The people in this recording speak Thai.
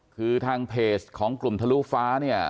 คือทางเพจของกลุ่มทะลุฟ้าเนี่ย